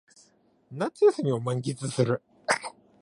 夏休みを満喫する